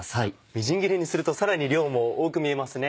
みじん切りにするとさらに量も多く見えますね。